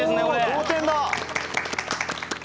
同点だ！